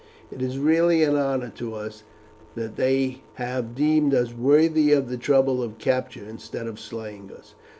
It is really an honour to us that they have deemed us worthy of the trouble of capture, instead of slaying us.